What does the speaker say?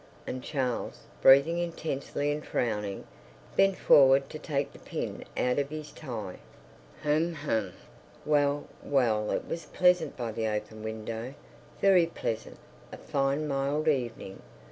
And Charles, breathing intensely and frowning, bent forward to take the pin out of his tie. H'm, h'm! Well, well! It was pleasant by the open window, very pleasant—a fine mild evening.